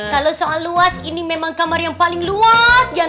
kalau soal luas ini memang kamar yang paling luas